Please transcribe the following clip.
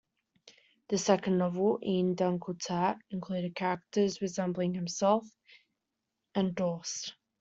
The second novel, "Eine dunkle Tat", included characters resembling himself and Droste.